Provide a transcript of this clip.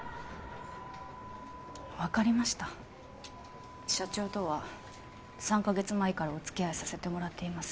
分かりました社長とは３カ月前からお付き合いさせてもらっています